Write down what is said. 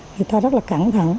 người ta rất là cẩn thận